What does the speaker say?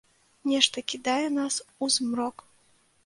Нешта кідае нас у змрок.